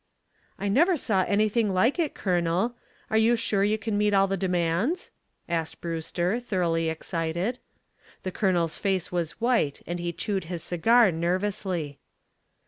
"I never saw anything like it, Colonel. Are you sure you can meet all the demands?" asked Brewster, thoroughly excited. The Colonel's face was white and he chewed his cigar nervously.